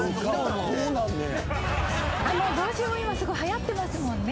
帽子も今すごいはやってますもんね。